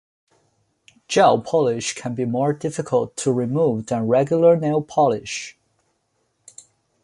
Gel polish can be more difficult to remove than regular nail polish.